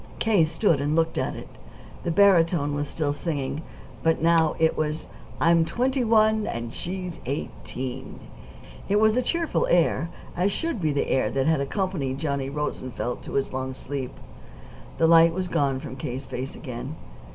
K. stood and looked at it. The barytone was still singing; but now it was "I'm twenty one, and she's eighteen." It was a cheerful air, as should be the air that had accompanied Johnny Rosenfeld to his long sleep. The light was gone from K.'s face again.